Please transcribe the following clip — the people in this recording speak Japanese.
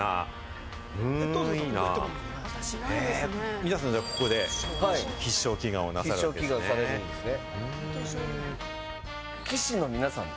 皆さん、ここで必勝祈願されてるんですね。